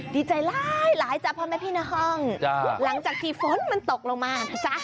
ดีใจร้ายหลายจ้ะพ่อแม่พี่น้องหลังจากที่ฝนมันตกลงมานะจ๊ะ